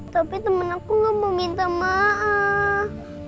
tapi teman aku gak mau minta maaf